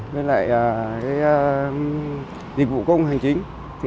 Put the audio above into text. với lại dịch vụ công hành chính